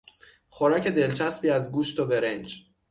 خوراک دلچسبی از گوشت و برنج